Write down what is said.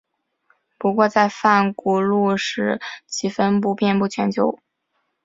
不过在泛古陆时其分布遍布全球。